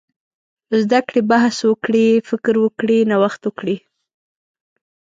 زده کړي، بحث وکړي، فکر وکړي، نوښت وکړي.